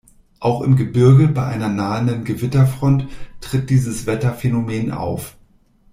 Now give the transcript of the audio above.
Auch im Gebirge, bei einer nahenden Gewitterfront, tritt dieses Wetterphänomen auf.